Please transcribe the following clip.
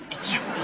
一応。